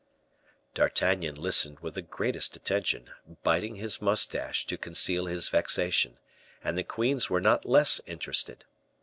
D'Artagnan listened with the greatest attention, biting his mustache to conceal his vexation; and the queens were not less interested.